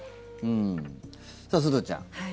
さあ、すずちゃん。